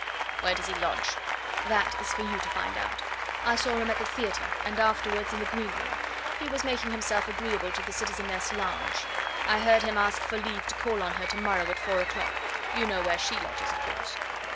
"Where does he lodge?" "That is for you to find out. I saw him at the theatre, and afterwards in the green room; he was making himself agreeable to the citizeness Lange. I heard him ask for leave to call on her to morrow at four o'clock. You know where she lodges, of course!"